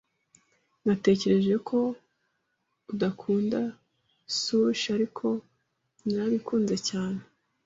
Natekereje ko udakunda sushi, ariko narabikunze cyane.